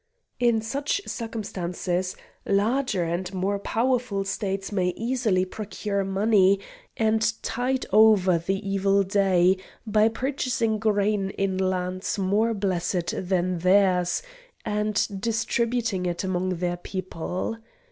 In such circumstances larger and more powerful States may easily procure money, and tide over the evil day by purchasing grain in lands more blessed than theirs, and distributing it among their people.